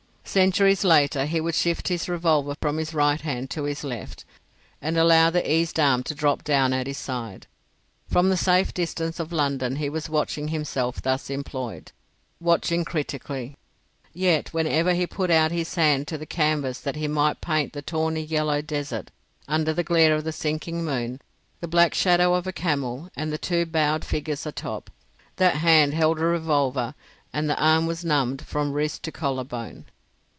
Centuries later he would shift his revolver from his right hand to his left and allow the eased arm to drop down at his side. From the safe distance of London he was watching himself thus employed,—watching critically. Yet whenever he put out his hand to the canvas that he might paint the tawny yellow desert under the glare of the sinking moon, the black shadow of a camel and the two bowed figures atop, that hand held a revolver and the arm was numbed from wrist to collar bone.